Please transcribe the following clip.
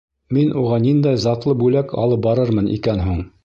Мин уға ниндәй затлы бүләк алып барырмын икән һуң?